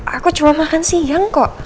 aku cuma makan siang kok